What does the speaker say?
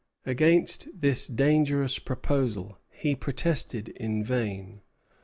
Against this dangerous proposal he protested in vain.